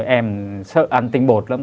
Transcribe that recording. em sợ ăn tinh bột lắm